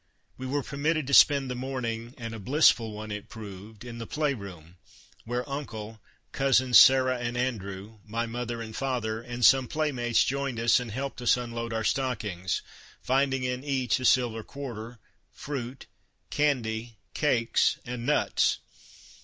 We were permitted to spend the morning, and a blissful one it proved, in the play room, where Uncle, cousins Sarah and Andrew, my mother and father, and some playmates joined us and helped us Christmas Under 1 hree nags unload our stockings, finding in each a silver quarter, fruit, candy, cakes and nuts.